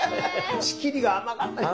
仕切りが甘かったり。